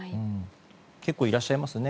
結構いらっしゃいますね。